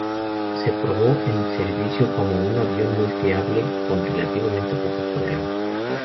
Se probó en servicio como un avión muy fiable con relativamente pocos problemas.